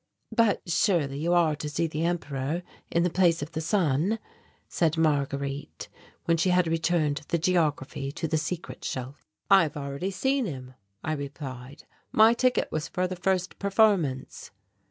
"But surely you are to see the Emperor in the Place in the Sun," said Marguerite when she had returned the geography to the secret shelf. "I have already seen him," I replied, "my ticket was for the first performance."